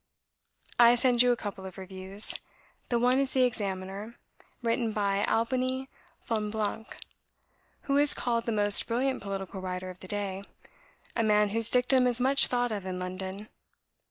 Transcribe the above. I send you a couple of reviews; the one is in the Examiner, written by Albany Fonblanque, who is called the most brilliant political writer of the day, a man whose dictum is much thought of in London.